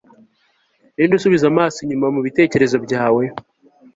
ninde usubiza amaso inyuma mubitekerezo byawe